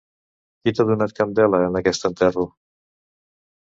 Qui t'ha donat candela en aquest enterro?